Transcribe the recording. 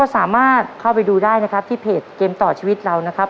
สามารถเข้าไปดูได้นะครับที่เพจเกมต่อชีวิตเรานะครับ